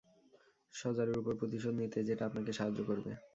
শজারুর উপর প্রতিশোধ নিতে যেটা আপনাকে সাহায্য করবে।